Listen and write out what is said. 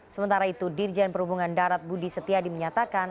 sementara itu dirjen perhubungan darat budi setiadi menyatakan